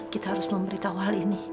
kita harus memberitahu hal ini